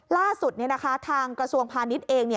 ล่าสุดเนี่ยนะคะทางกระทรวงพาณิชย์เองเนี่ย